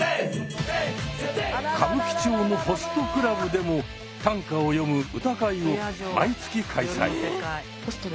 歌舞伎町のホストクラブでも短歌を詠む「歌会」を毎月開催。